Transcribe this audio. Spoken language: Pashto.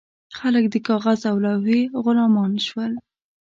خلک د کاغذ او لوحې غلامان شول.